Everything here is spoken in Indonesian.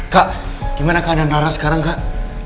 kak gimana keadaan nara sekarang kak